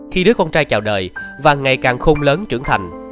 khi đứa con trai chào đời và ngày càng khôn lớn trưởng thành